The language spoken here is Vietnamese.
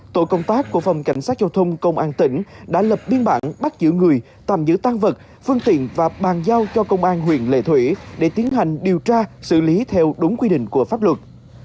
tổ công tác của phòng cảnh sát giao thông công an tỉnh đã lập biên bản bắt giữ người tạm giữ tăng vật phương tiện và bàn giao cho công an huyện lệ thủy để tiến hành điều tra xử lý theo đúng quy định của pháp luật